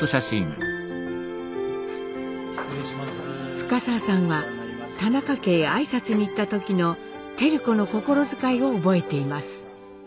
深沢さんは田中家へ挨拶に行った時の照子の心遣いを覚えています。